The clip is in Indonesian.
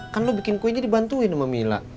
kan lo bikin kue ini dibantuin sama mila